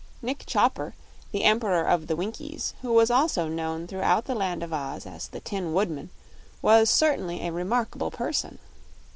Nick Chopper, the Emperor of the Winkies, who was also known throughout the Land of Oz as the Tin Woodman, was certainly a remarkable person.